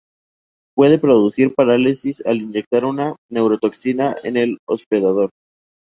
Puede producir parálisis al inyectar una neurotoxina en el hospedador.